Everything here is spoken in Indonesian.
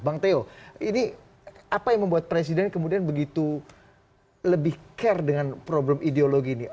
bang teo ini apa yang membuat presiden kemudian begitu lebih care dengan problem ideologi ini